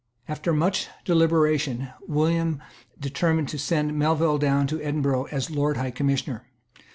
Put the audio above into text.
After much deliberation William determined to send Melville down to Edinburgh as Lord High Commissioner.